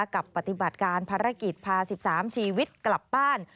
ปฏิบัติการภารกิจพา๑๓ชีวิตกลับบ้าน